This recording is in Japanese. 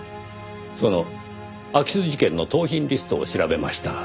その空き巣事件の盗品リストを調べました。